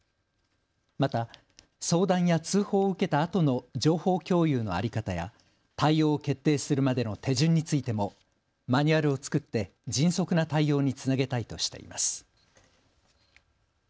また相談や通報を受けたあとの情報共有の在り方や対応を決定するまでの手順についてもマニュアルを作って迅速な対応につなげたいとしています。